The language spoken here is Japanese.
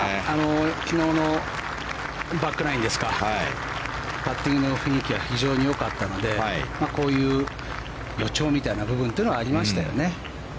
昨日のバックナインですかパッティングの雰囲気が非常によかったのでこういう予兆みたいな部分はありましたよね。